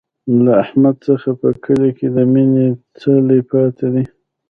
له احمد څخه په کلي کې د مینې څلی پاتې دی.